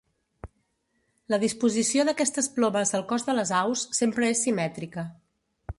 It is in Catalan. La disposició d'aquestes plomes al cos de les aus, sempre és simètrica.